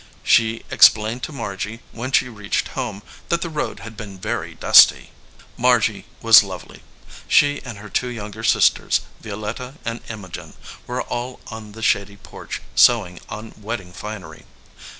She explained to Margy, when she reached home, that the road had been very dusty. Margy was lovely. She and her two younger sisters, Violetta and Imogen, were all on the shady porch sewing on wedding finery.